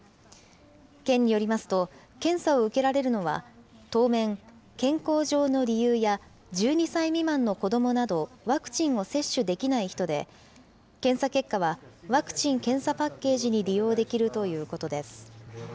県によりますと、検査を受けられるのは、当面、健康上の理由や、１２歳未満の子どもなどワクチンを接種できない人で、検査結果は、ワクチン・検査パッケージに利用できるということです。